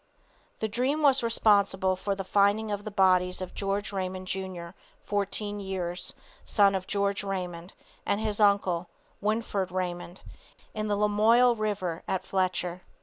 The dream was responsible for the finding of the bodies of George Raymond, Jr., 14 years, son of George Raymond, and his uncle, Winford Raymond, in the Lamoille river at Fletcher.